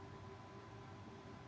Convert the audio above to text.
terkait bukti betul